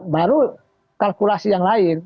baru kalkulasi yang lain